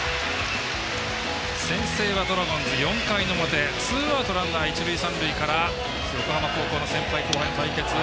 先制はドラゴンズ、４回の表ツーアウトランナー、一塁三塁から横浜高校の先輩・後輩の対決。